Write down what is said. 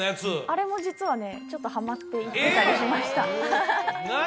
あれも実はねちょっとハマって行ってたりしました何？